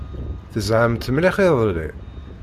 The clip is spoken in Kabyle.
Tezhamt mliḥ iḍelli?